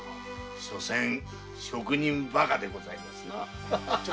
しょせんは職人バカでございますな。